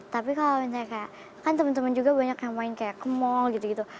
tapi kalau misalnya kayak kan teman teman juga banyak yang main kayak ke mall gitu gitu